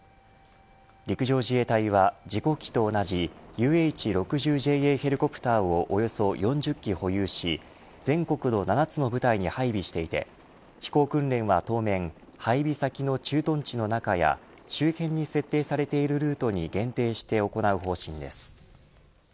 陸上自衛隊は事故機と同じＵＨ−６０ＪＡヘリコプターをおよそ４０機保有し全国の７つの部隊に配備していて飛行訓練は当面配備先の駐屯地の中や周辺に設定されているルートに限定して行う方針です。